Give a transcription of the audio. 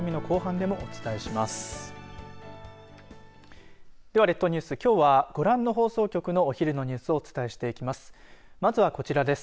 では、列島ニュースきょうはご覧の放送局のお昼のニュースをお伝えしていきます。